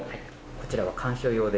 こちらは観賞用ですね。